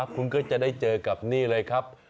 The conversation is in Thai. คุณก็จะได้เจอกับนี่เลยครับ